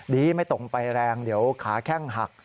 ไม่ตกไปแรงเดี๋ยวขาแข้งหัก